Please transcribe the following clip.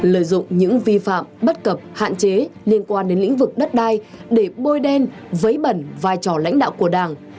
lợi dụng những vi phạm bất cập hạn chế liên quan đến lĩnh vực đất đai để bôi đen vấy bẩn vai trò lãnh đạo của đảng